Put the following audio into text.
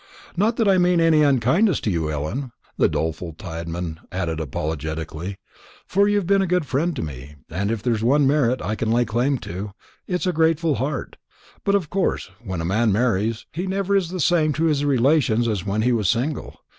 "Not that I mean any unkindness to you, Ellen," the doleful Tadman added apologetically, "for you've been a good friend to me, and if there's one merit I can lay claim to, it's a grateful heart; but of course, when a man marries, he never is the same to his relations as when he was single.